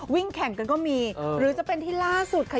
วิ่งแข่งกันก็มีหรือจะเป็นที่ล่าสุดค่ะ